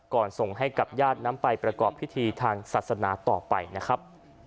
ส่งให้กับญาตินำไปประกอบพิธีทางศาสนาต่อไปนะครับ